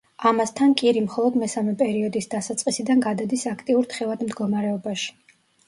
ამასთან, კირი მხოლოდ მესამე პერიოდის დასაწყისიდან გადადის აქტიურ თხევად მდგომარეობაში.